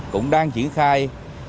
cũng đang triển khai